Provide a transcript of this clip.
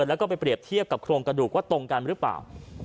แล้วก็ไปเรียบเทียบกับโครงกระดูกว่าตรงกันหรือเปล่า